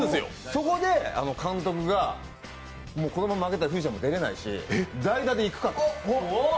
そこで監督が、このまま負けたら藤田も出れないし代打でいくかと。